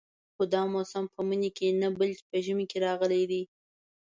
خو دا موسم په مني کې نه بلکې په ژمي کې راغلی دی.